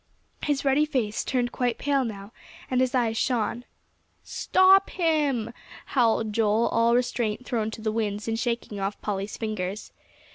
His ruddy face turned quite pale now, and his eyes shone. "Stop him," howled Joel, all restraint thrown to the winds, and shaking off Polly's fingers.